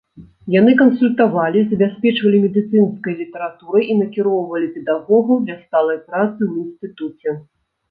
Яны кансультавалі, забяспечвалі медыцынскай літаратурай і накіроўвалі педагогаў для сталай працы ў інстытуце.